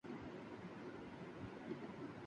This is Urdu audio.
جہاز سے لٹک کر شوٹنگ کے دوران معروف گلوکار گر کر ہلاک